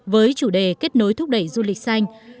với chủ đề kết nối thúc đẩy du lịch xanh